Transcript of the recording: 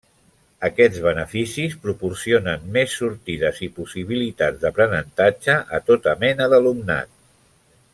Aquests beneficis proporcionen més sortides i possibilitats d'aprenentatge a tota mena d'alumnat.